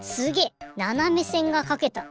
ななめせんがかけた。